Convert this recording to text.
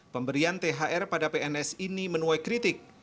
pemberian thr pada pns ini menuai kritik